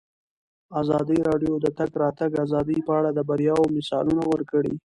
ازادي راډیو د د تګ راتګ ازادي په اړه د بریاوو مثالونه ورکړي.